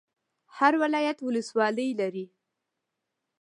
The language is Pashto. هر ولایت ولسوالۍ لري